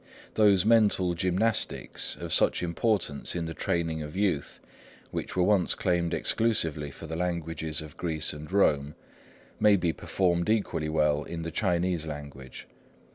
Those mental gymnastics, of such importance in the training of youth, which were once claimed exclusively for the languages of Greece and Rome, may be performed equally well in the Chinese language.